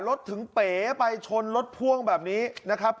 ถึงเป๋ไปชนรถพ่วงแบบนี้นะครับ